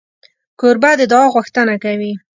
کوربه د دعا غوښتنه کوي.